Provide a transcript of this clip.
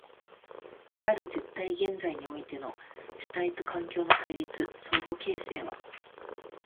かかる絶対現在においての主体と環境との対立、相互形成は